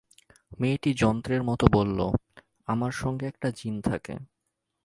মেয়েটি যন্ত্রের মতো বলল, আমার সঙ্গে একটা জিন থাকে।